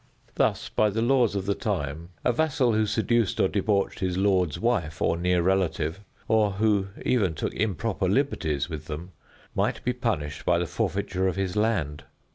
Thus, by the laws of the time, a vassal who seduced or debauched his lord's wife or near relative, or who even took improper liberties with them, might be punished by the forfeiture of his land.